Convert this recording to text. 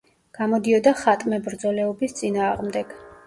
გამოდიოდა ხატმებრძოლეობის წინააღმდეგ.